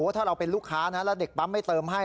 ถ้าเราเป็นลูกค้านะแล้วเด็กปั๊มไม่เติมให้